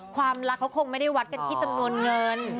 ความรักเขาคงไม่ได้วัดกันที่จำนวนเงิน